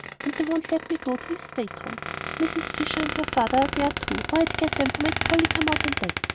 And they won't let me go to his state room. Mrs. Fisher and your father are there, too, or I'd get them to make Polly come out on deck.